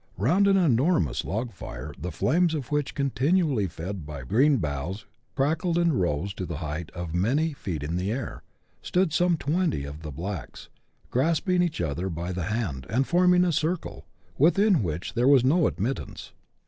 Round an enormous log fire, the flames of which, continually fed by green boughs, crackled and rose to the height of many feet iu the air, stood some twenty of the blacks, grasping each other by the hand, and forming a circle, within which there was no admittance.